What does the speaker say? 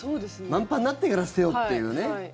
満杯になってから捨てようっていうね。